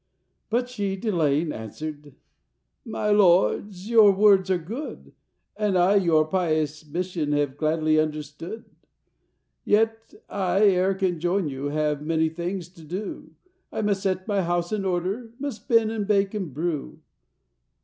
” But she, delaying, answered, “My lords, your words are good, And I your pious mission Have gladly understood, Yet I, ere I can join you, Have many things to do: I must set my house in order, Must spin and bake and brew.